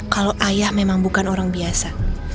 kalau ayah memang bukan orang biasa